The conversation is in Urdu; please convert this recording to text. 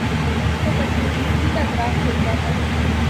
توپسندیدگی کا گراف گر جاتا ہے۔